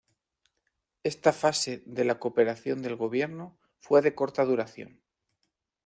Esta fase de la cooperación del gobierno fue de corta duración.